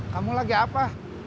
kamu lagi apa